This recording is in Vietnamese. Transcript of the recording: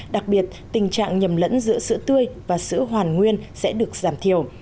đặc biệt tình trạng nhầm lẫn giữa sữa tươi và sữa hoàn nguyên sẽ được giảm thiểu